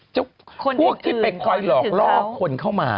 พวกที่ไปคอยหลอกล่อคนเข้ามา